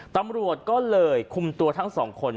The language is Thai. ตำรวจก็เลยคุมตัวทั้งสองคน